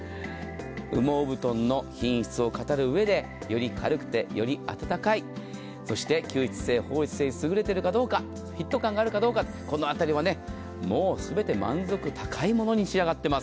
羽毛布団の品質を語る上でより軽くて、よりあったかいそして吸湿性放湿性に優れているかどうかフィット感があるかどうかこのあたりはもう全て満足感高いものに仕上がっております。